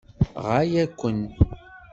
Ɣaya-ken.